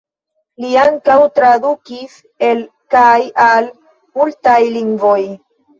Li ankaŭ tradukis el kaj al multaj lingvoj.